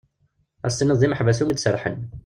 Ad as-tiniḍ d imeḥbas iwumi d-serḥen.